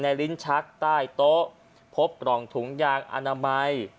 ลิ้นชักใต้โต๊ะพบกล่องถุงยางอนามัย